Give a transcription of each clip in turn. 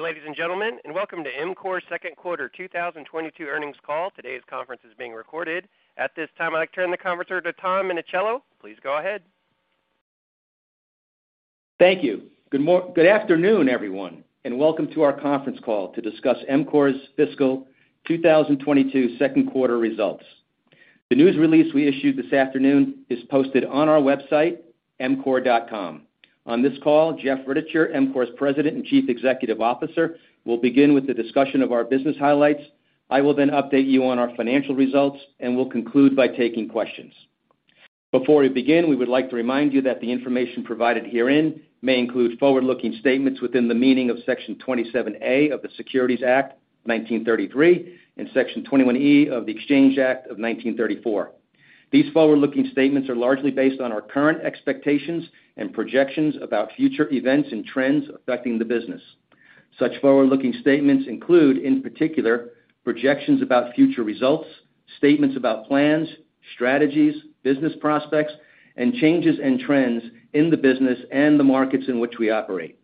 Good ladies and gentlemen, and welcome to EMCORE's Q2 2022 earnings call. Today's conference is being recorded. At this time, I'd like to turn the conference over to Tom Minichiello. Please go ahead. Thank you. Good afternoon, everyone, and welcome to our conference call to discuss EMCORE's fiscal 2022 Q2 results. The news release we issued this afternoon is posted on our website, emcore.com. On this call, Jeff Ritticher, EMCORE's President and Chief Executive Officer, will begin with the discussion of our business highlights. I will then update you on our financial results, and we'll conclude by taking questions. Before we begin, we would like to remind you that the information provided herein may include forward-looking statements within the meaning of Section 27A of the Securities Act of 1933 and Section 21E of the Exchange Act of 1934. These forward-looking statements are largely based on our current expectations and projections about future events and trends affecting the business. Such forward-looking statements include, in particular, projections about future results, statements about plans, strategies, business prospects, and changes and trends in the business and the markets in which we operate.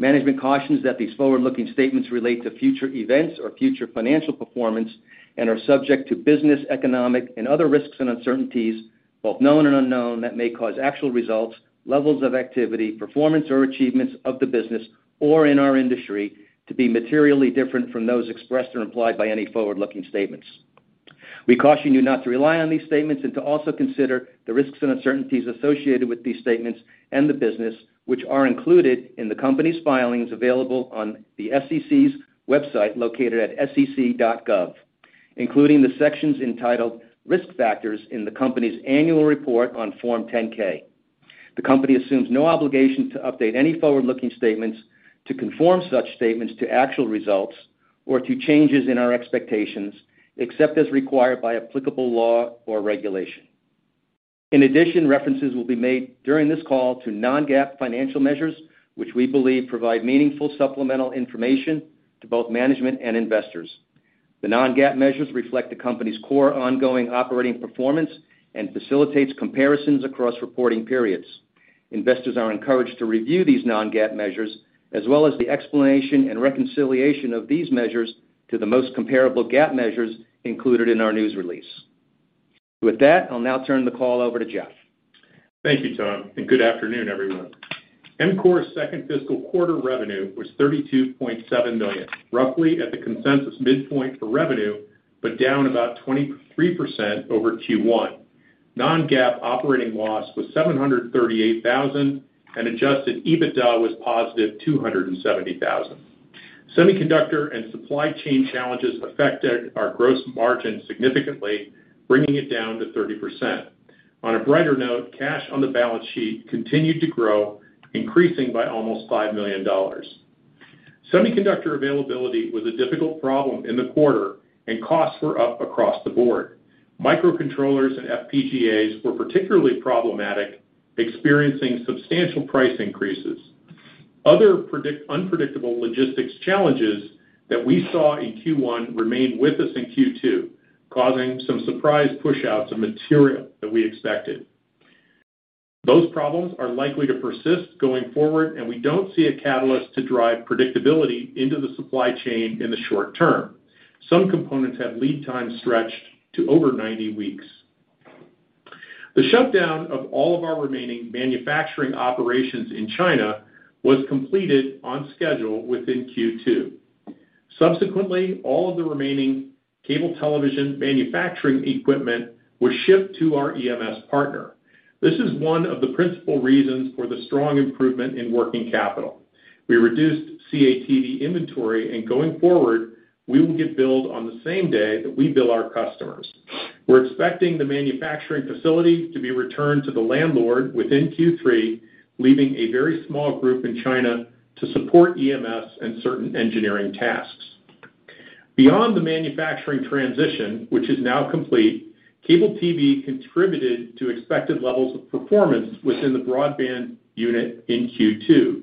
Management cautions that these forward-looking statements relate to future events or future financial performance and are subject to business, economic, and other risks and uncertainties, both known and unknown, that may cause actual results, levels of activity, performance, or achievements of the business or in our industry to be materially different from those expressed or implied by any forward-looking statements. We caution you not to rely on these statements and to also consider the risks and uncertainties associated with these statements and the business, which are included in the company's filings available on the SEC's website located at sec.gov, including the sections entitled Risk Factors in the company's annual report on Form 10-K. The company assumes no obligation to update any forward-looking statements to conform such statements to actual results or to changes in our expectations, except as required by applicable law or regulation. In addition, references will be made during this call to non-GAAP financial measures, which we believe provide meaningful supplemental information to both management and investors. The non-GAAP measures reflect the company's core ongoing operating performance and facilitates comparisons across reporting periods. Investors are encouraged to review these non-GAAP measures as well as the explanation and reconciliation of these measures to the most comparable GAAP measures included in our news release. With that, I'll now turn the call over to Jeff. Thank you, Tom, and good afternoon, everyone. EMCORE's fiscal Q2 revenue was $32.7 million, roughly at the consensus midpoint for revenue, but down about 23% over Q1. Non-GAAP operating loss was $738,000, and adjusted EBITDA was positive $270,000. Semiconductor and supply chain challenges affected our gross margin significantly, bringing it down to 30%. On a brighter note, cash on the balance sheet continued to grow, increasing by almost $5 million. Semiconductor availability was a difficult problem in the quarter and costs were up across the board. Microcontrollers and FPGAs were particularly problematic, experiencing substantial price increases. Other unpredictable logistics challenges that we saw in Q1 remained with us in Q2, causing some surprise pushouts of material that we expected. Those problems are likely to persist going forward, and we don't see a catalyst to drive predictability into the supply chain in the short-term. Some components have lead time stretched to over 90 weeks. The shutdown of all of our remaining manufacturing operations in China was completed on schedule within Q2. Subsequently, all of the remaining cable television manufacturing equipment was shipped to our EMS partner. This is one of the principal reasons for the strong improvement in working capital. We reduced CATV inventory and going forward, we will get billed on the same day that we bill our customers. We're expecting the manufacturing facility to be returned to the landlord within Q3, leaving a very small group in China to support EMS and certain engineering tasks. Beyond the manufacturing transition, which is now complete, cable TV contributed to expected levels of performance within the broadband unit in Q2.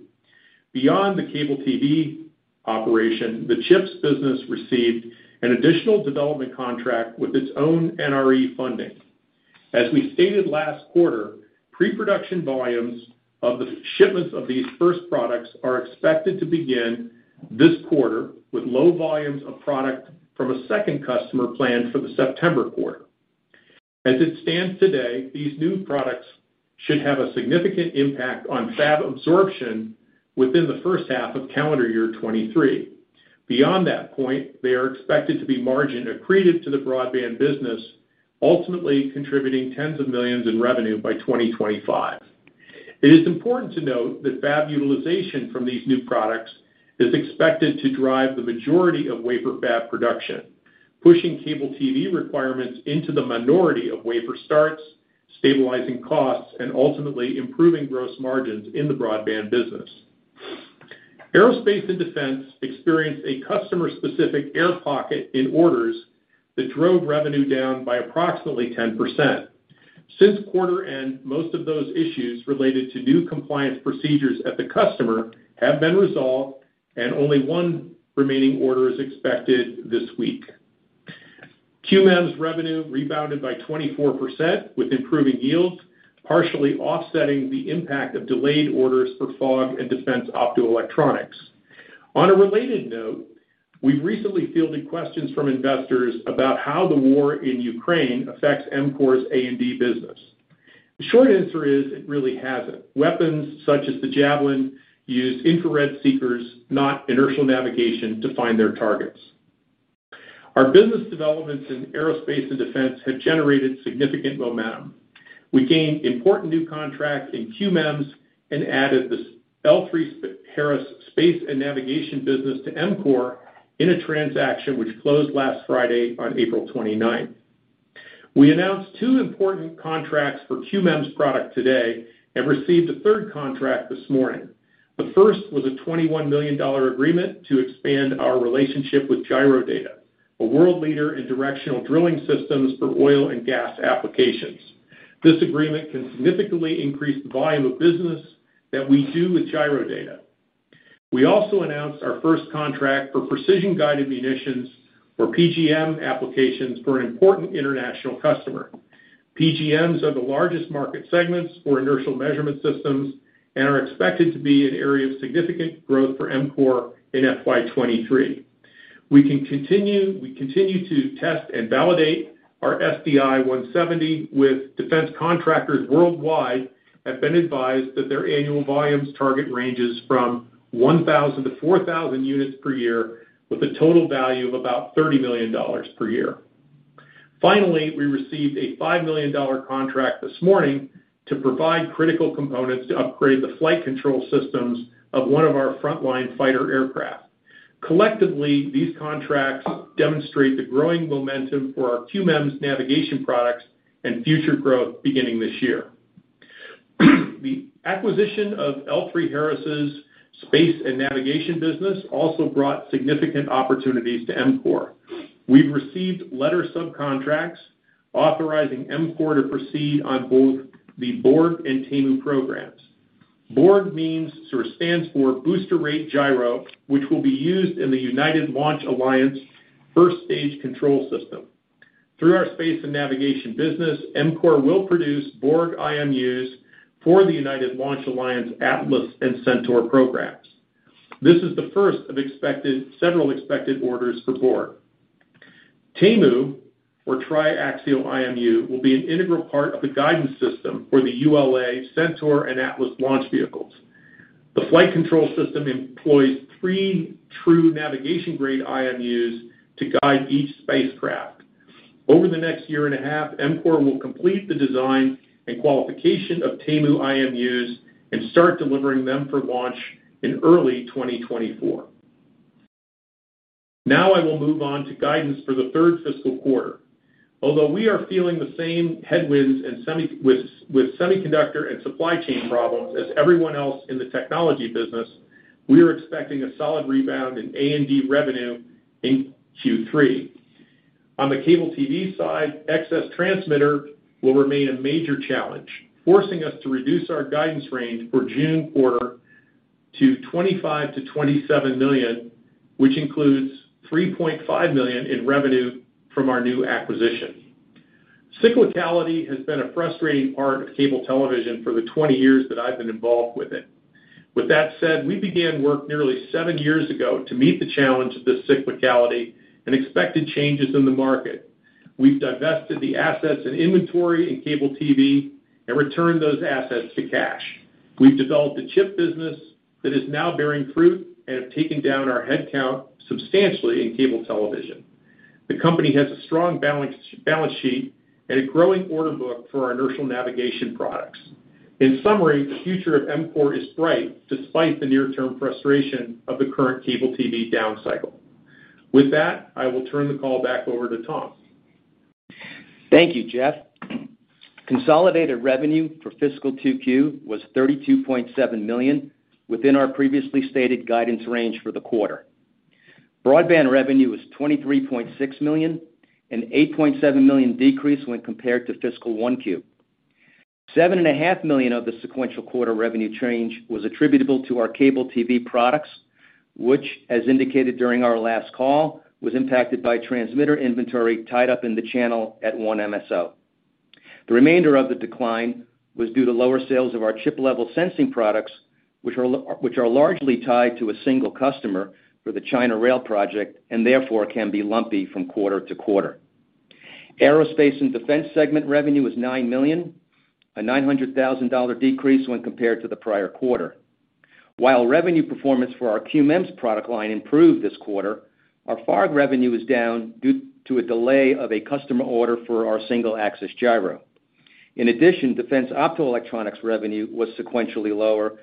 Beyond the cable TV operation, the chips business received an additional development contract with its own NRE funding. As we stated last quarter, pre-production volumes of the shipments of these first products are expected to begin this quarter, with low volumes of product from a second customer planned for the September quarter. As it stands today, these new products should have a significant impact on fab absorption within the first half of calendar year 2023. Beyond that point, they are expected to be margin accretive to the broadband business, ultimately contributing tens of millions in revenue by 2025. It is important to note that fab utilization from these new products is expected to drive the majority of wafer fab production, pushing cable TV requirements into the minority of wafer starts, stabilizing costs, and ultimately improving gross margins in the broadband business. Aerospace and defense experienced a customer-specific air pocket in orders that drove revenue down by approximately 10%. Since quarter end, most of those issues related to new compliance procedures at the customer have been resolved, and only one remaining order is expected this week. QMEMS's revenue rebounded by 24% with improving yields, partially offsetting the impact of delayed orders for FOG and defense optoelectronics. On a related note, we've recently fielded questions from investors about how the war in Ukraine affects EMCORE's A&D business. The short answer is it really hasn't. Weapons such as the Javelin use infrared seekers, not inertial navigation, to find their targets. Our business developments in aerospace and defense have generated significant momentum. We gained important new contracts in QMEMS and added the L3Harris Space and Navigation business to EMCORE in a transaction which closed last Friday on April 29th. We announced two important contracts for QMEMS product today and received a third contract this morning. The first was a $21 million agreement to expand our relationship with Gyrodata, a world leader in directional drilling systems for oil and gas applications. This agreement can significantly increase the volume of business that we do with Gyrodata. We also announced our first contract for precision-guided munitions for PGM applications for an important international customer. PGMs are the largest market segments for inertial measurement systems and are expected to be an area of significant growth for EMCORE in FY 2023. We continue to test and validate our SDI170 with defense contractors worldwide. We have been advised that their annual volumes target ranges from 1,000-4,000 units per year with a total value of about $30 million per year. Finally, we received a $5 million contract this morning to provide critical components to upgrade the flight control systems of one of our frontline fighter aircraft. Collectively, these contracts demonstrate the growing momentum for our QMEMS navigation products and future growth beginning this year. The acquisition of L3Harris' space and navigation business also brought significant opportunities to EMCORE. We've received letter subcontracts authorizing EMCORE to proceed on both the BoRG and TAIMU programs. BoRG means, or stands for Booster Rate Gyro, which will be used in the United Launch Alliance first stage control system. Through our space and navigation business, EMCORE will produce BoRG IMUs for the United Launch Alliance Atlas and Centaur programs. This is the first of several expected orders for BoRG. TAIMU, or Tri-Axial IMU, will be an integral part of the guidance system for the ULA Centaur and Atlas launch vehicles. The flight control system employs three true navigation-grade IMUs to guide each spacecraft. Over the next year and a half, EMCORE will complete the design and qualification of TAIMU IMUs and start delivering them for launch in early 2024. Now I will move on to guidance for the fiscal Q3. Although we are feeling the same headwinds and semiconductor and supply chain problems as everyone else in the technology business, we are expecting a solid rebound in A&D revenue in Q3. On the cable TV side, excess transmitter will remain a major challenge, forcing us to reduce our guidance range for June quarter to $25 million-$27 million, which includes $3.5 million in revenue from our new acquisition. Cyclicality has been a frustrating part of cable television for the 20 years that I've been involved with it. With that said, we began work nearly seven years ago to meet the challenge of this cyclicality and expected changes in the market. We've divested the assets and inventory in cable TV and returned those assets to cash. We've developed a chip business that is now bearing fruit and have taken down our headcount substantially in cable television. The company has a strong balance sheet and a growing order book for our inertial navigation products. In summary, the future of EMCORE is bright despite the near-term frustration of the current cable TV down cycle. With that, I will turn the call back over to Tom. Thank you, Jeff. Consolidated revenue for fiscal Q2 was $32.7 million within our previously stated guidance range for the quarter. Broadband revenue was $23.6 million, an $8.7 million decrease when compared to fiscal Q1. $7.5 million of the sequential quarter revenue change was attributable to our cable TV products, which, as indicated during our last call, was impacted by transmitter inventory tied up in the channel at one MSO. The remainder of the decline was due to lower sales of our chip-level sensing products, which are largely tied to a single customer for the China rail project, and therefore can be lumpy from quarter to quarter. Aerospace and defense segment revenue is $9 million, a $900,000 decrease when compared to the prior quarter. While revenue performance for our QMEMS product line improved this quarter, our FOG revenue is down due to a delay of a customer order for our single-axis gyro. In addition, defense optoelectronics revenue was sequentially lower,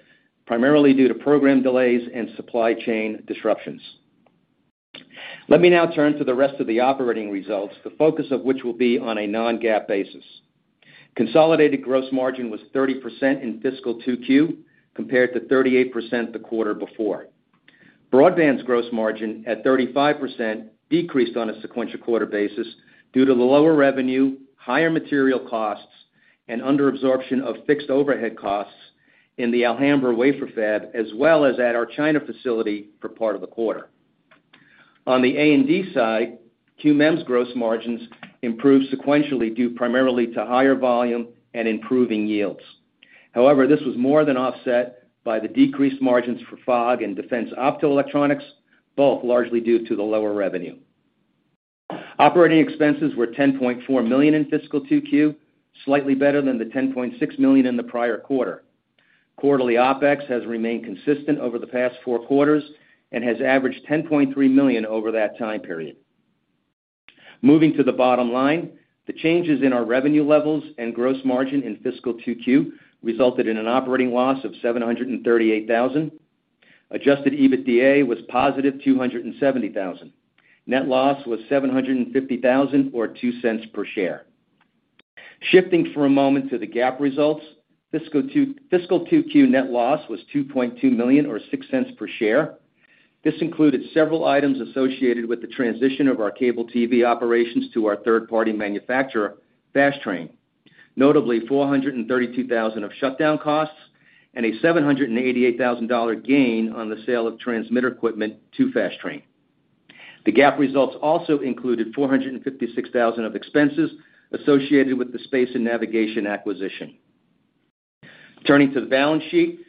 primarily due to program delays and supply chain disruptions. Let me now turn to the rest of the operating results, the focus of which will be on a non-GAAP basis. Consolidated gross margin was 30% in fiscal Q2 compared to 38% the quarter before. Broadband's gross margin at 35% decreased on a sequential quarter basis due to the lower revenue, higher material costs, and under absorption of fixed overhead costs in the Alhambra wafer fab, as well as at our China facility for part of the quarter. On the A&D side, QMEMS's gross margins improved sequentially due primarily to higher volume and improving yields. However, this was more than offset by the decreased margins for FOG and defense optoelectronics, both largely due to the lower revenue. Operating expenses were $10.4 million in fiscal Q2, slightly better than the $10.6 million in the prior quarter. Quarterly OpEx has remained consistent over the past four quarters and has averaged $10.3 million over that time period. Moving to the bottom line, the changes in our revenue levels and gross margin in fiscal Q2 resulted in an operating loss of $738,000. Adjusted EBITDA was positive $270,000. Net loss was $750,000 or $0.02 per share. Shifting for a moment to the GAAP results, fiscal Q2 net loss was $2.2 million or $0.06 per share. This included several items associated with the transition of our cable TV operations to our third-party manufacturer, Fastrain, notably $432,000 of shutdown costs and a $788,000 gain on the sale of transmitter equipment to Fastrain. The GAAP results also included $456,000 of expenses associated with the space and navigation acquisition. Turning to the balance sheet,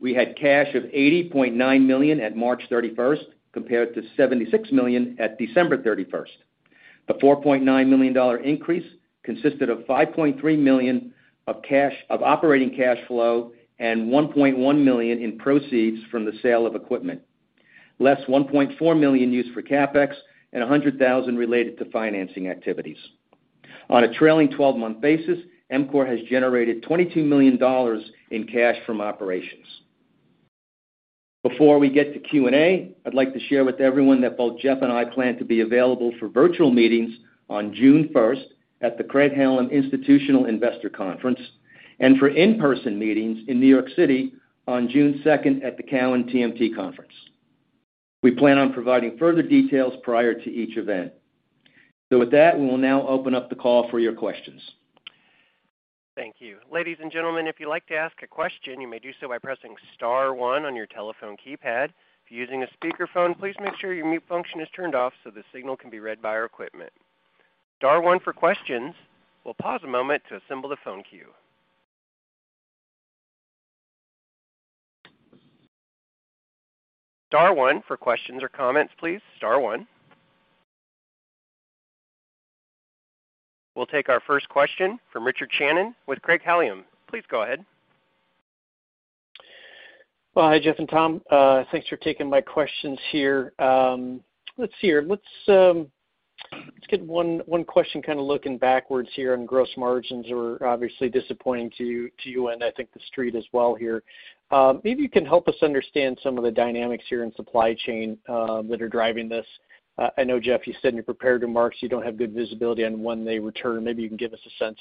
we had cash of $80.9 million at March 31st, compared to $76 million at December 31st. The $4.9 million increase consisted of $5.3 million of operating cash flow and $1.1 million in proceeds from the sale of equipment, less $1.4 million used for CapEx and $100,000 related to financing activities. On a trailing 12-month basis, EMCORE has generated $22 million in cash from operations. Before we get to Q&A, I'd like to share with everyone that both Jeff and I plan to be available for virtual meetings on June 1st at the Craig-Hallum Institutional Investor Conference and for in-person meetings in New York City on June 2nd at the Cowen TMT Conference. We plan on providing further details prior to each event. With that, we will now open up the call for your questions. Thank you. Ladies and gentlemen, if you'd like to ask a question, you may do so by pressing star one on your telephone keypad. If you're using a speakerphone, please make sure your mute function is turned off so the signal can be read by our equipment. Star one for questions. We'll pause a moment to assemble the phone queue. Star one for questions or comments, please. Star one. We'll take our first question from Richard Shannon with Craig-Hallum. Please go ahead. Well, hi, Jeff and Tom. Thanks for taking my questions here. Let's see here. Let's get one question looking backwards here, gross margins are obviously disappointing to you and I think the Street as well here. Maybe you can help us understand some of the dynamics here in supply chain that are driving this. I know, Jeff, you said in your prepared remarks you don't have good visibility on when they return. Maybe you can give us a sense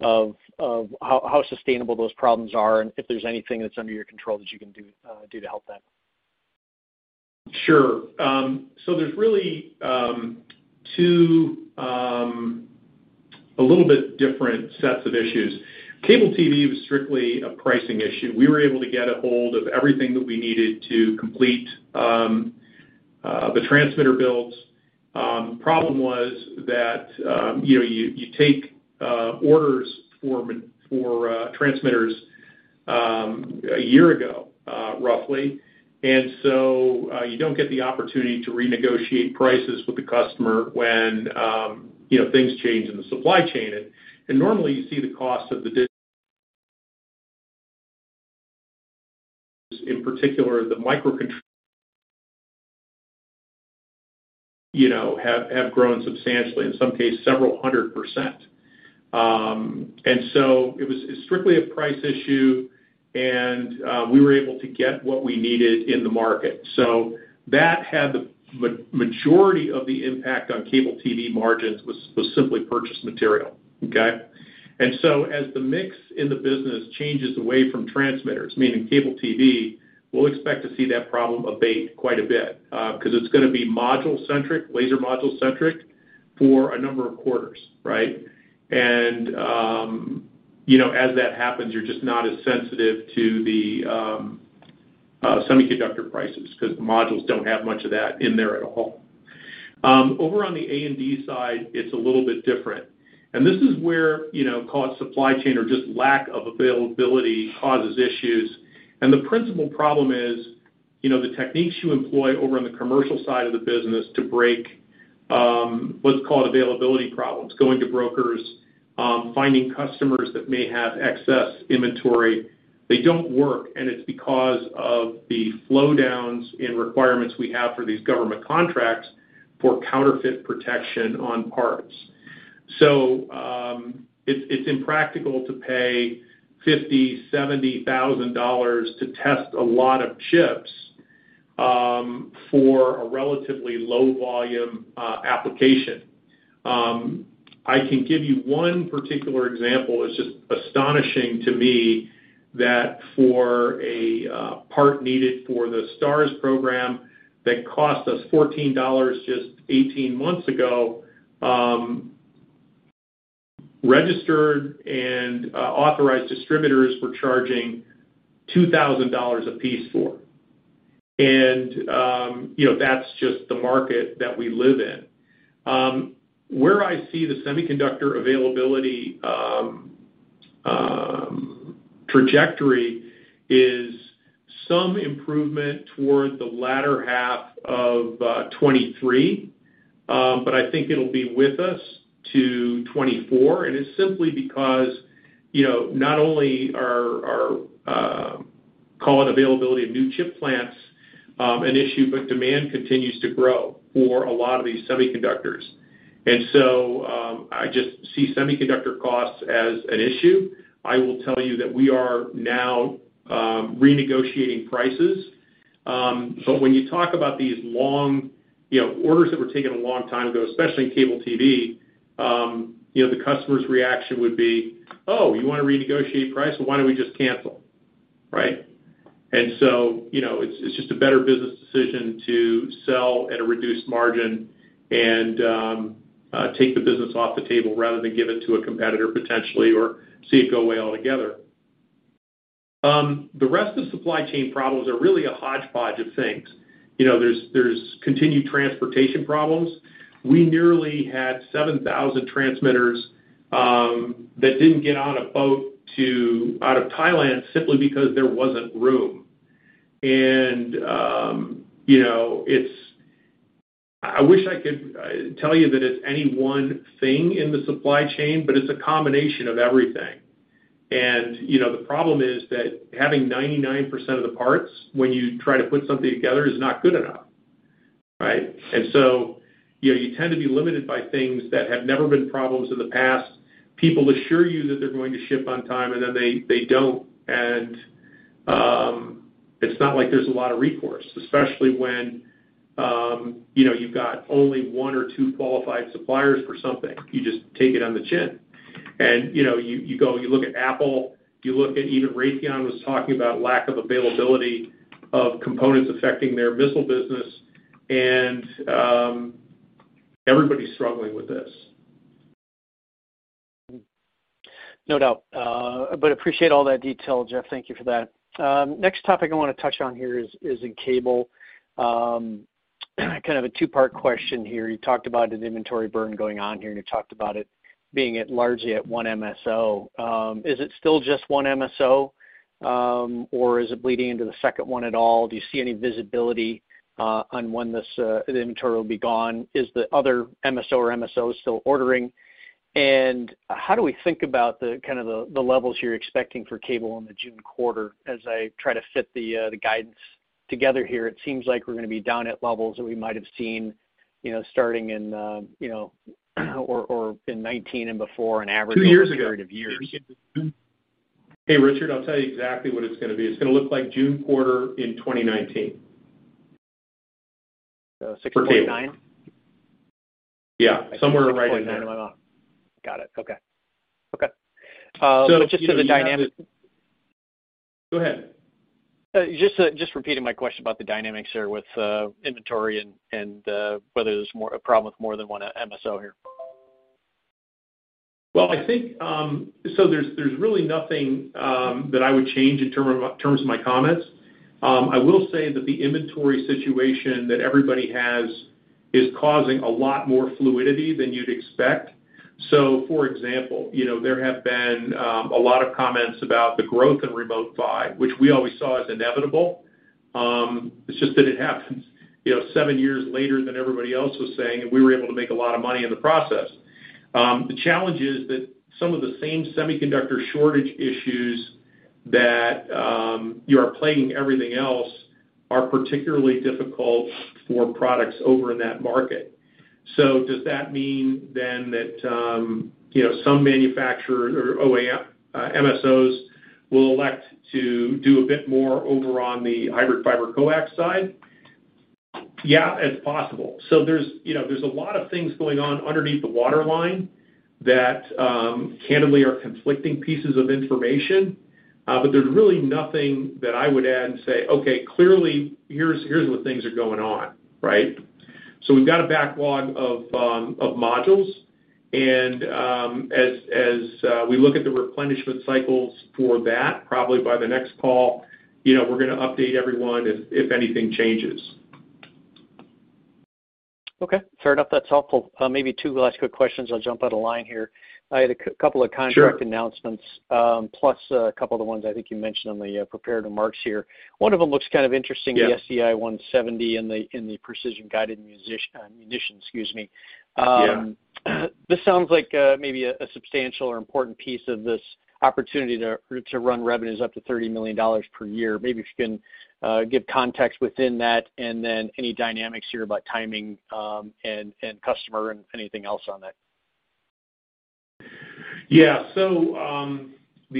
of how sustainable those problems are and if there's anything that's under your control that you can do to help that. There's really two a little bit different sets of issues. Cable TV was strictly a pricing issue. We were able to get a hold of everything that we needed to complete the transmitter builds. The problem was that you take orders for transmitters a year ago roughly. You don't get the opportunity to renegotiate prices with the customer when things change in the supply chain. Normally, you see the cost of the discretes in particular the microcontrollers have grown substantially in some cases several hundred%. It was strictly a price issue and we were able to get what we needed in the market. That had the majority of the impact on cable TV margins was simply purchased material. As the mix in the business changes away from transmitters, meaning cable TV, we'll expect to see that problem abate quite a bit, because it's going to be module centric, laser module centric for a number of quarters. As that happens, you're just not as sensitive to the semiconductor prices because the modules don't have much of that in there at all. Over on the A&D side, it's a little bit different. This is where cost, supply chain or just lack of availability causes issues. The principal problem is the techniques you employ over on the commercial side of the business to break what's called availability problems, going to brokers, finding customers that may have excess inventory, they don't work, and it's because of the flow downs in requirements we have for these government contracts for counterfeit protection on parts. It's impractical to pay $50,000-$70,000 to test a lot of chips for a relatively low volume application. I can give you one particular example. It's just astonishing to me that for a part needed for the STARS program that cost us $14 just 18 months ago. Registered and authorized distributors were charging $2,000 a piece for. That's just the market that we live in. Where I see the semiconductor availability trajectory is some improvement toward the latter half of 2023 but I think it'll be with us to 2024, and it's simply because not only are, call it availability of new chip plants an issue, but demand continues to grow for a lot of these semiconductors. I just see semiconductor costs as an issue. I will tell you that we are now renegotiating prices but when you talk about these long orders that were taken a long time ago, especially in cable TV, the customer's reaction would be, "You want to renegotiate price? Well, why don't we just cancel?" It's just a better business decision to sell at a reduced margin and take the business off the table rather than give it to a competitor potentially or see it go away altogether. The rest of supply chain problems are really a hodgepodge of things. There's continued transportation problems. We nearly had 7,000 transmitters that didn't get on a boat out of Thailand simply because there wasn't room. I wish I could tell you that it's any one thing in the supply chain, but it's a combination of everything. The problem is that having 99% of the parts when you try to put something together is not good enough. You tend to be limited by things that have never been problems in the past. People assure you that they're going to ship on time, and then they don't. It's not like there's a lot of recourse, especially when you've got only one or two qualified suppliers for something. You just take it on the chin. You look at Apple, you look at even Raytheon was talking about lack of availability of components affecting their missile business, and everybody's struggling with this. No doubt. Appreciate all that detail, Jeff. Thank you for that. Next topic I want to touch on here is in cable. A two-part question here. You talked about an inventory burn going on here, and you talked about it being largely at one MSO. Is it still just one MSO, or is it bleeding into the second one at all? Do you see any visibility on when this, the inventory will be gone? Is the other MSO or MSOs still ordering? How do we think about the the levels you're expecting for cable in the June quarter as I try to fit the guidance together here? It seems like we're going to be down at levels that we might have seen starting in 2019 and before an average... Two years ago. Over a period of years. Hey, Richard, I'll tell you exactly what it's going to be. It's going to look like June quarter in 2019. 6.9? For cable. Somewhere right in there. 6.9. Got it. Go ahead. Just repeating my question about the dynamics here with inventory and whether there's more of a problem with more than one MSO here. I think there's really nothing that I would change in terms of my comments. I will say that the inventory situation that everybody has is causing a lot more fluidity than you'd expect. For example, there have been a lot of comments about the growth in Remote PHY, which we always saw as inevitable. It's just that it happens seven years later than everybody else was saying, and we were able to make a lot of money in the process. The challenge is that some of the same semiconductor shortage issues that are plaguing everything else are particularly difficult for products over in that market. Does that mean then that some manufacturer or MSOs will elect to do a bit more over on the Hybrid Fiber Coax side? Yes, it's possible. There's a lot of things going on underneath the waterline that, candidly are conflicting pieces of information. There's really nothing that I would add and say, "Okay, clearly, here's what things are going on," We've got a backlog of modules and as we look at the replenishment cycles for that, probably by the next call, we're going to update everyone if anything changes. Okay. Fair enough. That's helpful. Maybe two last quick questions. I'll jump on the line here. I had a couple of contract- Sure. Announcements, plus a couple of the ones I think you mentioned on the prepared remarks here. One of them looks kind of interesting is the SDI170 and the precision-guided munition, excuse me. This sounds like maybe a substantial or important piece of this opportunity to run revenues up to $30 million per year. Maybe if you can give context within that, and then any dynamics here about timing, and customer and anything else on that. The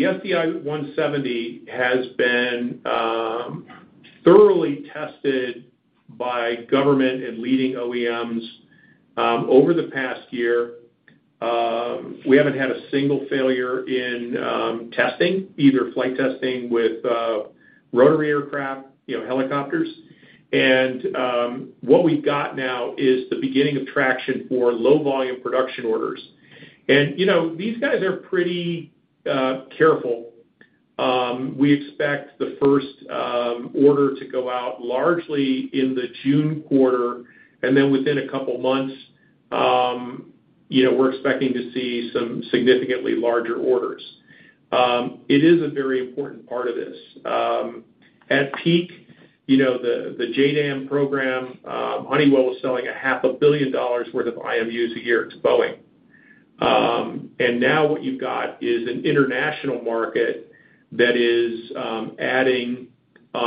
SDI170 has been thoroughly tested by government and leading OEMs over the past year. We haven't had a single failure in testing, either flight testing with rotary aircraft, helicopters. What we've got now is the beginning of traction for low volume production orders. These guys are pretty careful. We expect the first order to go out largely in the June quarter, and then within a couple of months, we're expecting to see some significantly larger orders. It is a very important part of this. At peak, the JDAM program, Honeywell was selling a half a billion dollars' worth of IMUs a year to Boeing. Now what you've got is an international market that is adding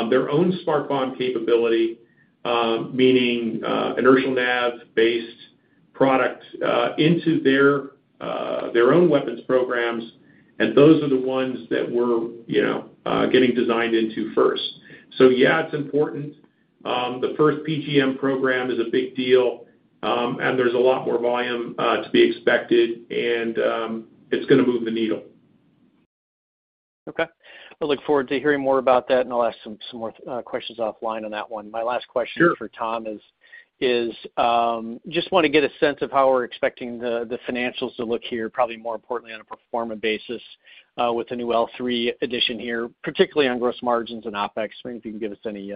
their own smart bomb capability, meaning inertial NAV-based products into their own weapons programs, and those are the ones that we're getting designed into first. Yes, it's important. The first PGM program is a big deal, and there's a lot more volume to be expected, and it's going to move the needle. Okay. I look forward to hearing more about that, and I'll ask some more questions offline on that one. Sure. My last question for Tom is, just want to get a sense of how we're expecting the financials to look here, probably more importantly, on a pro forma basis, with the new L3Harris addition here, particularly on gross margins and OpEx. Wondering if you can give us any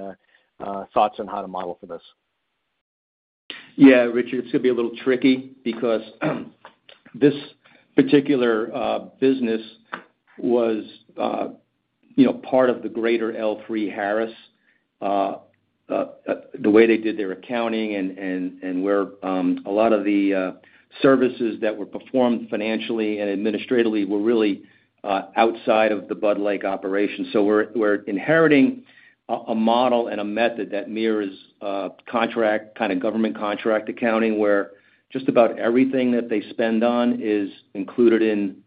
thoughts on how to model for this. Richard, it's going to be a little tricky because this particular business was part of the greater L3Harris. The way they did their accounting and where a lot of the services that were performed financially and administratively were really outside of the Budd Lake operation. We're inheriting a model and a method that mirrors government contract accounting, where just about everything that they spend on is included in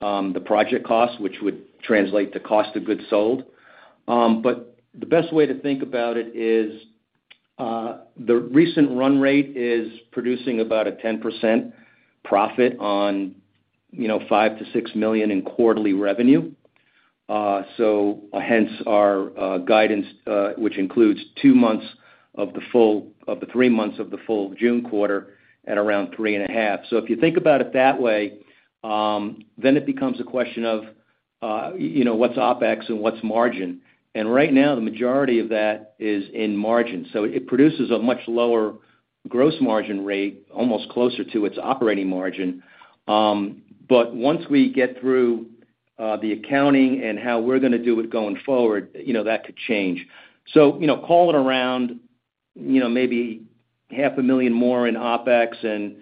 the project cost, which would translate to cost of goods sold, but the best way to think about it is the recent run rate is producing about a 10% profit on $5 million-$6 million in quarterly revenue. Hence our guidance, which includes two months of the three months of the full June quarter at around $3.5 million. If you think about it that way, then it becomes a question of what's OpEx and what's margin. Right now, the majority of that is in margin. It produces a much lower gross margin rate, almost closer to its operating margin, but once we get through the accounting and how we're going to do it going forward, that could change. Call it around maybe half a million more in OpEx and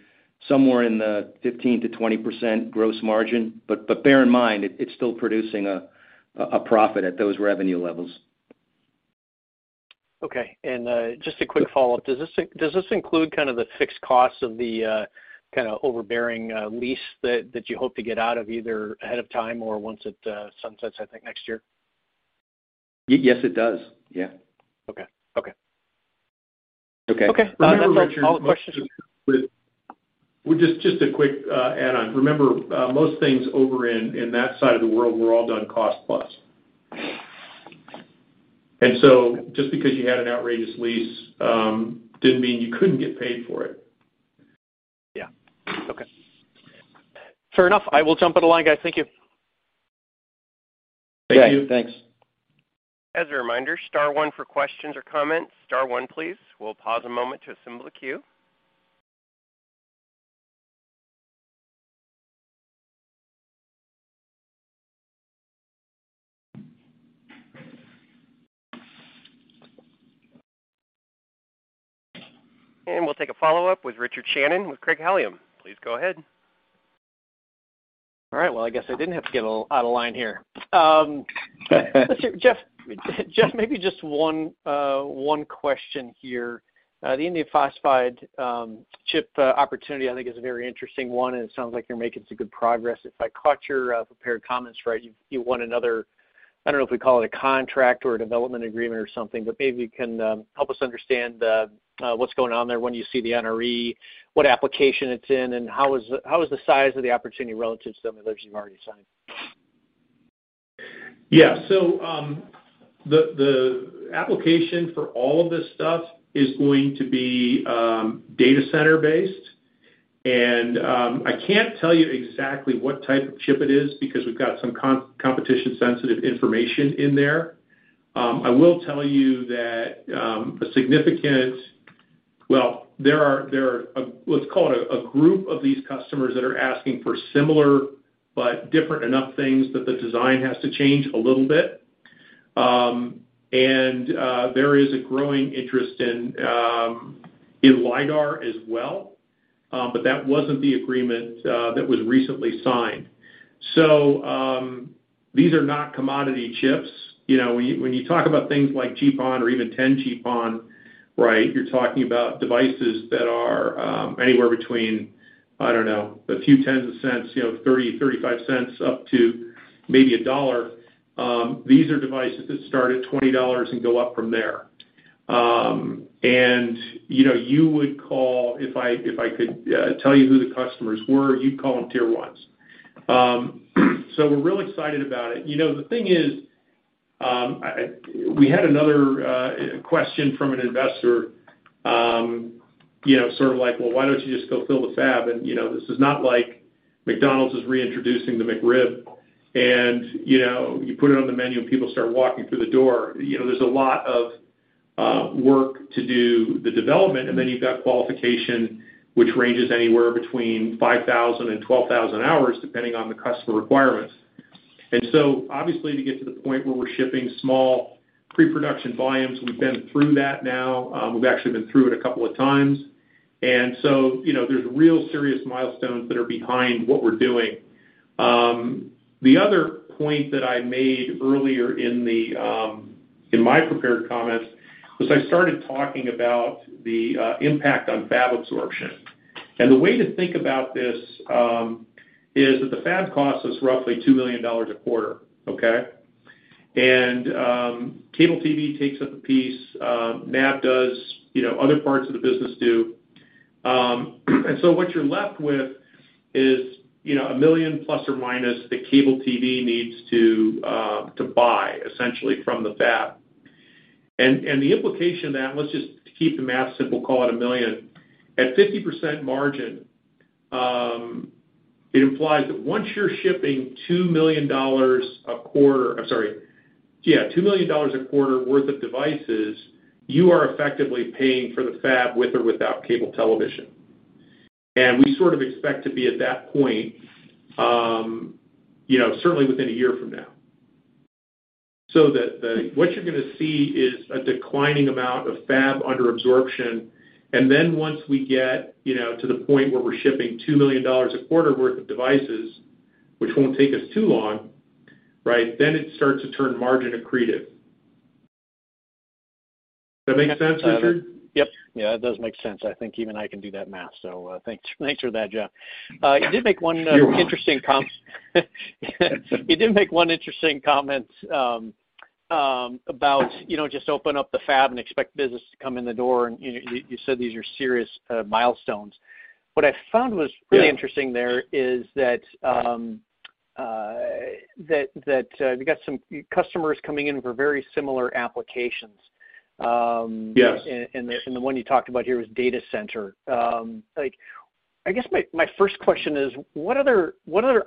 somewhere in the 15%-20% gross margin, but bear in mind, it's still producing a profit at those revenue levels. Okay. Just a quick follow-up. Does this include the fixed costs of the overbearing lease that you hope to get out of either ahead of time or once it sunsets, I think, next year? Yes, it does. Okay. That's all the questions. Richard, well, just a quick add on. Remember, most things over in that side of the world were all done cost-plus. Just because you had an outrageous lease, didn't mean you couldn't get paid for it. Okay. Fair enough. I will jump on the line, guys. Thank you. Thank you. Thanks. As a reminder, star one for questions or comments. Star one, please. We'll pause a moment to assemble a queue. We'll take a follow-up with Richard Shannon with Craig-Hallum. Please go ahead. All right. Well, I guess I didn't have to get out of line here. Listen, Jeff, maybe just one question here. The Indium Phosphide chip opportunity, I think is a very interesting one, and it sounds like you're making some good progress. If I caught your prepared comments right, you won another. I don't know if we call it a contract or a development agreement or something, but maybe you can help us understand what's going on there, when you see the NRE, what application it's in, and how is the size of the opportunity relative to some of those you've already signed? Yes. The application for all of this stuff is going to be data center-based. I can't tell you exactly what type of chip it is because we've got some competition-sensitive information in there. I will tell you that, well, there are what's called a group of these customers that are asking for similar but different enough things that the design has to change a little bit. There is a growing interest in LIDAR as well, but that wasn't the agreement that was recently signed. These are not commodity chips. When you talk about things like GPON or even 10 GPON, you're talking about devices that are anywhere between, I don't know, a few tens of cents, $0.30-$0.35 up to maybe $1. These are devices that start at $20 and go up from there. If I could tell you who the customers were, you'd call them Tier 1s. We're real excited about it. The thing is, we had another question from an investor like, "Well, why don't you just go fill the fab?" This is not like McDonald's is reintroducing the McRib, and you put it on the menu, and people start walking through the door. There's a lot of work to do the development, and then you've got qualification, which ranges anywhere between 5,000 and 12,000 hours, depending on the customer requirements. Obviously, to get to the point where we're shipping small pre-production volumes, we've been through that now. We've actually been through it a couple of times. There's real serious milestones that are behind what we're doing. The other point that I made earlier in my prepared comments was I started talking about the impact on fab absorption. The way to think about this is that the fab cost is roughly $2 million a quarter. Cable TV takes up a piece, NAV does other parts of the business do. What you're left with is $1 million plus or minus the cable TV needs to buy essentially from the fab. The implication of that, let's just keep the math simple, call it a million. At 50% margin, it implies that once you're shipping $2 million a quarter worth of devices, you are effectively paying for the fab with or without cable television. We expect to be at that point certainly within a year from now. What you're going to see is a declining amount of fab under absorption. Then once we get to the point where we're shipping $2 million a quarter worth of devices, which won't take us too long, then it starts to turn margin accretive. Does that make sense, Richard? Yes, it does make sense. I think even I can do that math. Thanks for that, Jeff. You're welcome. You did make one interesting comment about just open up the fab and expect business to come in the door and you said these are serious milestones. What I found was really interesting there is that you got some customers coming in for very similar applications. Yes. The one you talked about here was data center. My first question is, what other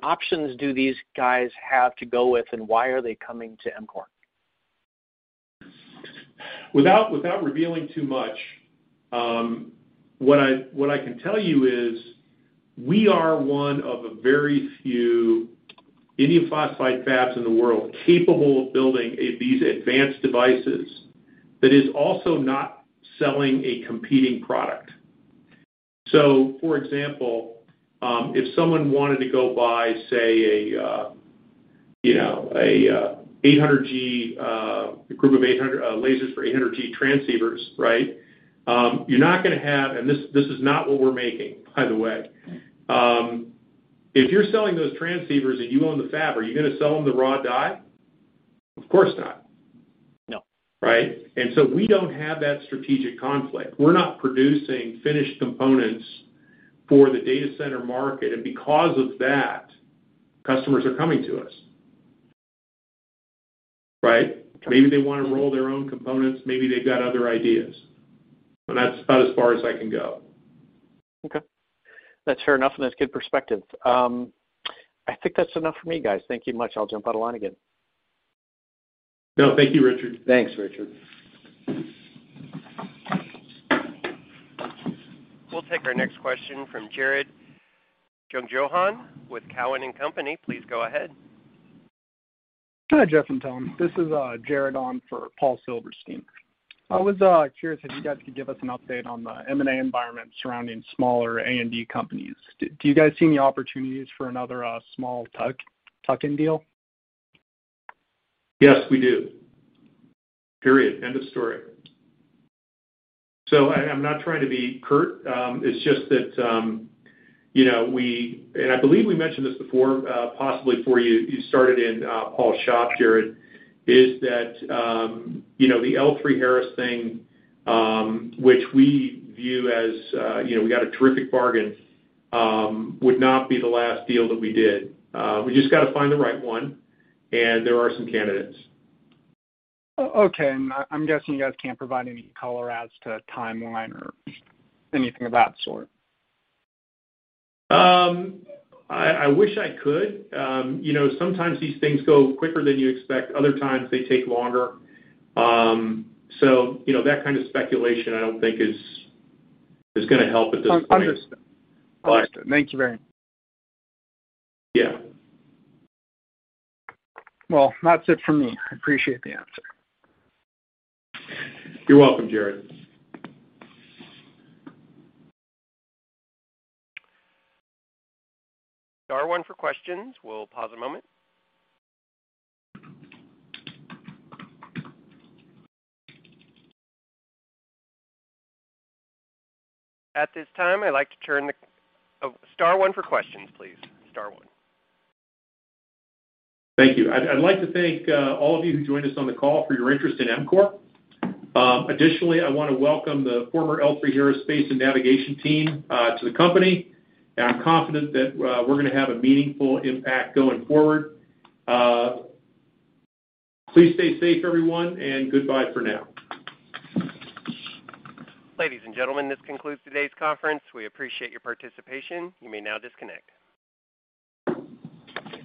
options do these guys have to go with, and why are they coming to EMCORE? Without revealing too much, what I can tell you is, we are one of a very few Indium Phosphide fabs in the world capable of building these advanced devices that is also not selling a competing product. For example, if someone wanted to go buy, say, a group of 800 lasers for 800G transceivers, you're not going to have and this is not what we're making, by the way. If you're selling those transceivers, and you own the fab, are you going to sell them the raw die? Of course not. No. We don't have that strategic conflict. We're not producing finished components for the data center market, and because of that, customers are coming to us. Maybe they want to roll their own components. Maybe they've got other ideas. That's about as far as I can go. Okay. That's fair enough, and that's good perspective. I think that's enough for me, guys. Thank you much. I'll jump out of line again. Thank you, Richard. Thanks, Richard. We'll take our next question from Jared Jungjohann with Cowen and Company. Please go ahead. Hi, Jeff and Tom. This is, Jared on for Paul Silverstein. I was curious if you guys could give us an update on the M&A environment surrounding smaller A&D companies. Do you guys see any opportunities for another small tuck-in deal? Yes, we do. Period. End of story. I'm not trying to be curt. It's just that I believe we mentioned this before possibly before you started in Paul's shop, Jared, is that the L3Harris thing which we view as we got a terrific bargain would not be the last deal that we did. We just got to find the right one, and there are some candidates. Okay, I'm guessing you guys can't provide any color as to timeline or anything of that sort? I wish I could. Sometimes these things go quicker than you expect. Other times, they take longer. That kind of speculation I don't think is going to help at this point. Understood. Thank you very much. Yes. Well, that's it for me. I appreciate the answer. You're welcome, Jared. Star one for questions. We'll pause a moment. Star one for questions, please. Star one. Thank you. I'd like to thank all of you who joined us on the call for your interest in EMCORE. Additionally, I want to welcome the former L3Harris Space and Navigation team to the company, and I'm confident that we're going to have a meaningful impact going forward. Please stay safe, everyone, and goodbye for now. Ladies and gentlemen, this concludes today's conference. We appreciate your participation. You may now disconnect.